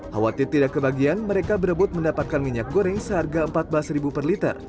hawatnya tidak kebagian mereka berebut mendapatkan minyak goreng seharga empat belas ribu per liter